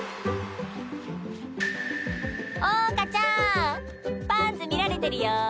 桜花ちゃんパンツ見られてるよ。